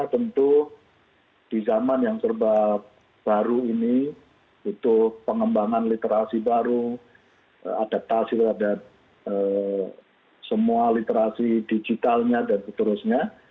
tentu di zaman yang serba baru ini itu pengembangan literasi baru adaptasi terhadap semua literasi digitalnya dan seterusnya